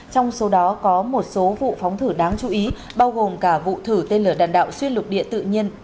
trong số đó có một số vụ phóng thử đáng chú ý bao gồm cả vụ thử tên lửa đạn đạo xuyên lục địa tự nhiên